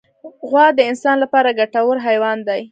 غوا د انسان لپاره ګټور حیوان دی.